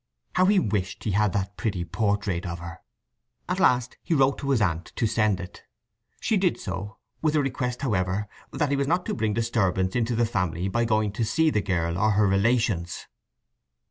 How he wished he had that pretty portrait of her! At last he wrote to his aunt to send it. She did so, with a request, however, that he was not to bring disturbance into the family by going to see the girl or her relations.